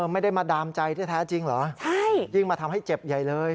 ไม่ได้มาดามใจที่แท้จริงเหรอยิ่งมาทำให้เจ็บใหญ่เลย